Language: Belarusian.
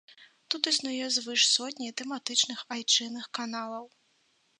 Тут існуе звыш сотні тэматычных айчынных каналаў.